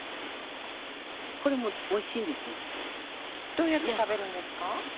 どうやって食べるんですか？